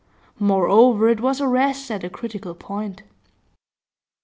Moreover, it was arrest at a critical point.